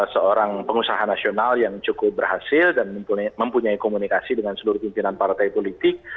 seorang pengusaha nasional yang cukup berhasil dan mempunyai komunikasi dengan seluruh pimpinan partai politik